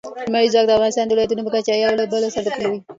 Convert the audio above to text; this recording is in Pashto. لمریز ځواک د افغانستان د ولایاتو په کچه یو له بل سره توپیر لري.